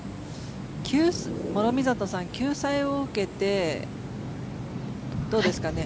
諸見里さん、救済を受けてどうですかね。